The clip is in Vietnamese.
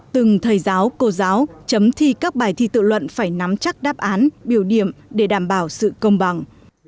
từng thầy giáo cô giáo chấm thi các bài thi tự luận phải nắm chắc đáp án biểu điểm để đảm bảo sự công bằng